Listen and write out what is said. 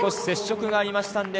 接触がありました。